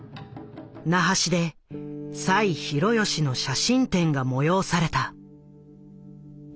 那覇市で栽弘義の写真展が催された。